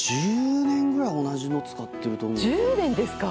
１０年ぐらい同じの使ってると思うんですよ。